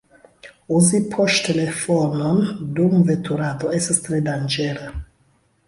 Uzi poŝtelefonon dum veturado estas tre danĝera.